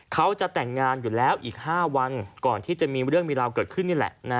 เขาจะแต่งงานอยู่แล้วอีก๕วันก่อนที่จะมีเรื่องมีราวเกิดขึ้นนี่แหละ